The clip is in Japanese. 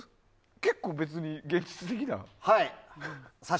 結構別に現実的な。